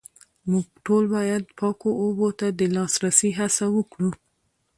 موږ ټول باید پاکو اوبو ته د لاسرسي هڅه وکړو